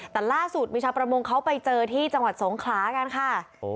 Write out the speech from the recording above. แต่ล่าสุดมีชาวประมงเขาไปเจอที่จังหวัดสงขลากันค่ะ